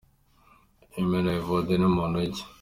Imena Evode ni muntu ki ?